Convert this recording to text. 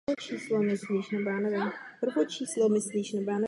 Netflix objednal dvacet dílů první řady.